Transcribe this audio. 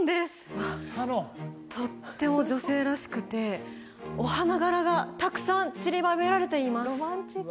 うわっとっても女性らしくてお花柄がたくさんちりばめられています